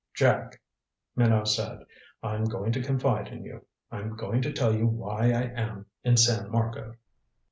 "Jack," Minot said, "I'm going to confide in you. I'm going to tell you why I am in San Marco."